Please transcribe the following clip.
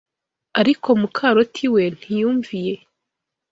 Ariko muka Loti we ntiyumviye